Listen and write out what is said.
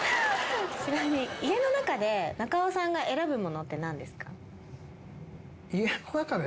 ちなみに家の中で中尾さんが選ぶものって何ですか？